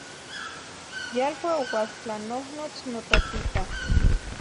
Yalua oualtlanohnotz notatita.